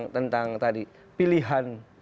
tentang tadi pilihan